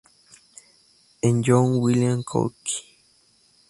En John William Cooke.